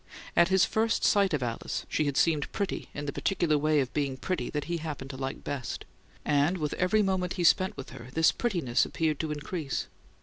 At his first sight of Alice she had seemed pretty in the particular way of being pretty that he happened to like best; and, with every moment he spent with her, this prettiness appeared to increase.